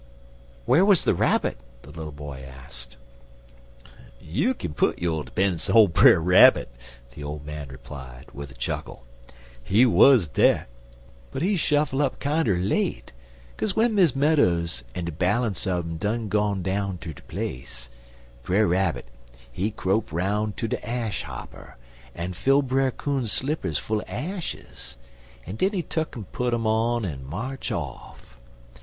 "Where was the Rabbit?" the little boy asked. "You kin put yo' 'pennunce in ole Brer Rabbit," the old man replied, with a chuckle. "He wuz dere, but he shuffle up kinder late, kaze w'en Miss Meadows en de balance on um done gone down ter de place, Brer Rabbit, he crope 'roun' ter de ash hopper, en fill Brer Coon's slippers full er ashes, en den he tuck'n put um on en march off.